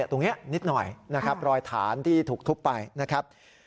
นิดหน่อยนะครับรอยฐานที่ถูกทุบไปนะครับ